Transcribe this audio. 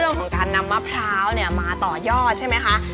เรื่องของการนำมะพร้าวเนี้ยต่อยอดใช่ไหมคะ